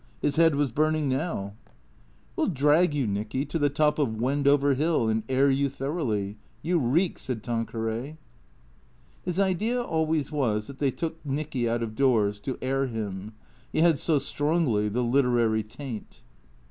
His head was burning now. 64 THECEEATOKS " We '11 drag you, Nicky, to the top of Wendover Hill, and air you thoroughly. You reek," said Tanqueray. His idea always was that they took Nicky out of doors to air him; he had so strongly the literary taint.